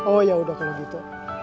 oh ya udah kalau gitu